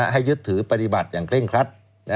ยึดถือปฏิบัติอย่างเร่งครัด